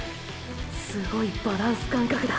すごいバランス感覚だ。